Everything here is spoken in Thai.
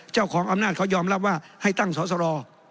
เจ้าของอำนาจเขายอมรับว่าให้ตั้งสอสร